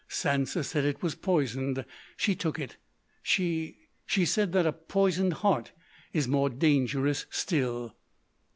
"Sansa said it was poisoned. She took it. She—she said that a poisoned heart is more dangerous still."